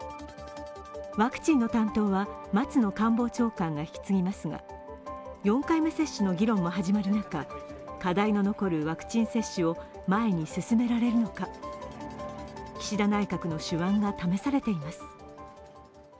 ワクチンの担当は松野官房長官が引き継ぎますが４回目接種の議論も始まる中課題の残るワクチン接種を前に進められるのか岸田内閣の手腕が試されています。